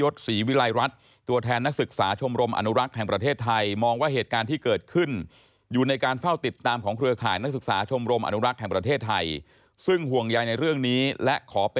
ต่อตัวถึงประเทศจีนแล้วครับ